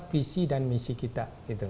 visi dan misi kita